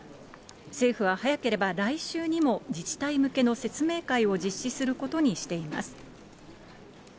政府は早ければ来週にも自治体向けの説明会を実施することにしています。